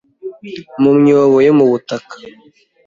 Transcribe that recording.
Mu myobo yo mu butaka